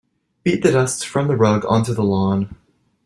Beat the dust from the rug onto the lawn.